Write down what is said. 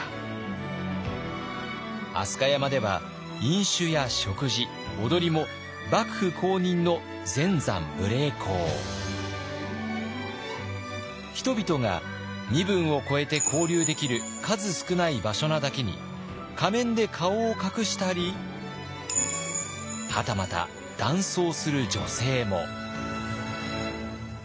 飛鳥山では飲酒や食事踊りも人々が身分を超えて交流できる数少ない場所なだけに仮面で顔を隠したりはたまた男装する女性も。